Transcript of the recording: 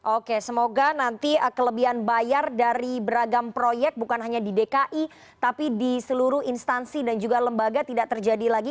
oke semoga nanti kelebihan bayar dari beragam proyek bukan hanya di dki tapi di seluruh instansi dan juga lembaga tidak terjadi lagi